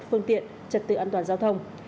phương tiện trật tự an toàn giao thông